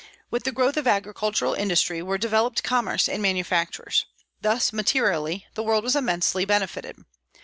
With the growth of agricultural industry were developed commerce and manufactures. Thus, materially, the world was immensely benefited.